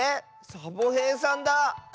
サボへいさんだ。